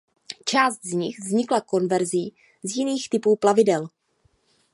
Část z nich vznikla konverzí z jiných typů plavidel.